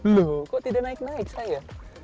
tuh kok tidak naik naik saya